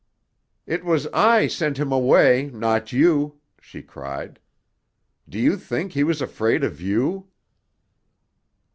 "It was I sent him away, not you," she cried. "Do you think he was afraid of you?"